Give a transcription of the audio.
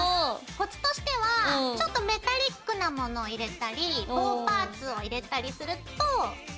コツとしてはちょっとメタリックなものを入れたり棒パーツを入れたりするとアートっぽさが出る。